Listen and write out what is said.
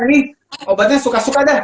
ini obatnya suka suka deh